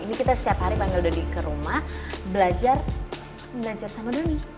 ini kita setiap hari panggil dodi ke rumah belajar belajar sama doni